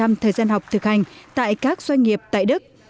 và sáu mươi thời gian học thực hành tại các doanh nghiệp tại đức